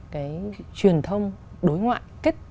cái truyền thông đối ngoại